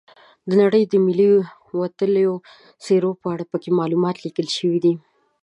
د نړۍ د ملي وتلیو څیرو په اړه پکې معلومات لیکل شوي دي.